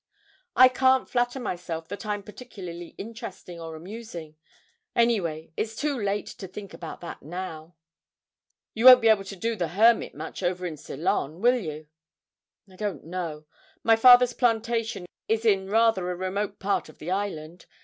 I can't flatter myself that I'm particularly interesting or amusing; any way, it's too late to think about that now.' 'You won't be able to do the hermit much over in Ceylon, will you?' 'I don't know. My father's plantation is in rather a remote part of the island.